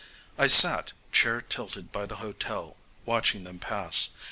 I sat, chair tilted by the hotel, watching them pass.